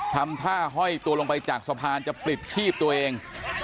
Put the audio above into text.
ทำท่าห้อยตัวลงไปจากสะพานจะปลิดชีพตัวเอง